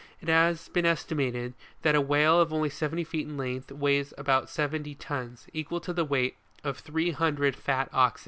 It has been estimated J;hat a whale of only seventy feet in length, weighs about seventy tons, equal to the weight of three hundred fat oxen.